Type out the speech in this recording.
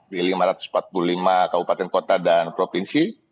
di lima ratus empat puluh lima kabupaten kota dan provinsi